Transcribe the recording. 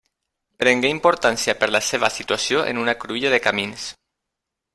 Prengué importància per la seva situació en una cruïlla de camins.